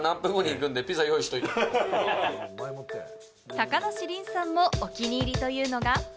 高梨臨さんもお気に入りというのが。